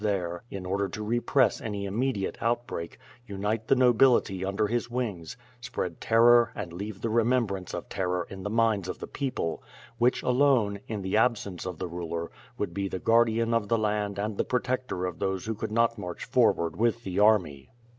285 there in order to repress any immediate outbreak, unite the nobility under his wings, spread terror and leave the remem brance of terror in the minds of the people, which alone, in the absence of the ruler would be the guardian of the land and the protector of those who could not march forward with the army.